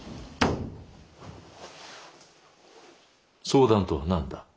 相談とは何だ？